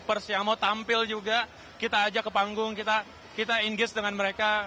k popers yang mau tampil juga kita ajak ke panggung kita ingin dengan mereka